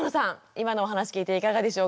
今のお話聞いていかがでしょうか？